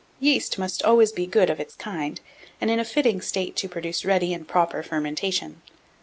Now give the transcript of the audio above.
1701. Yeast must always be good of its kind, and in a fitting state to produce ready and proper fermentation.